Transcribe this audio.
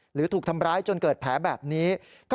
หรือถูกทำร้ายจนเกิดแผลแบบนี้